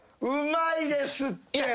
うまいですって。